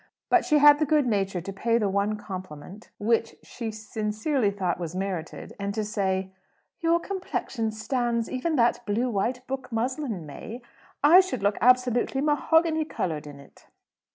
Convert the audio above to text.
But she had the good nature to pay the one compliment which she sincerely thought was merited, and to say, "Your complexion stands even that blue white book muslin, May. I should look absolutely mahogany coloured in it!"